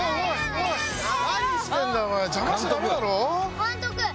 監督！